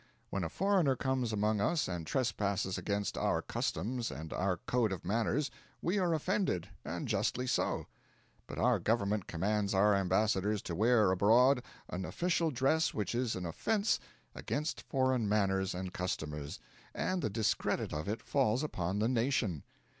When a foreigner comes among us and trespasses against our customs and our code of manners, we are offended, and justly so; but our Government commands our ambassadors to wear abroad an official dress which is an offence against foreign manners and customs; and the discredit of it falls upon the nation.